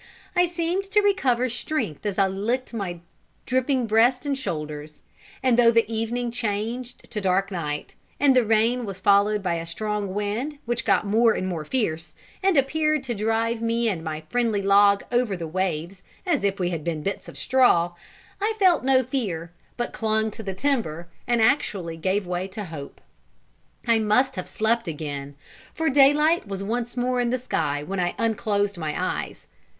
I seemed to recover strength as I licked my dripping breast and shoulders; and though evening changed to dark night, and the rain was followed by a strong wind, which got more and more fierce, and appeared to drive me and my friendly log over the waves as if we had been bits of straw, I felt no fear, but clung to the timber, and actually gave way to hope. I must have slept again, for daylight was once more in the sky when I unclosed my eyes.